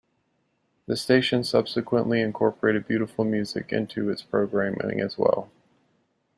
The station subsequently incorporated beautiful music into its programming as well.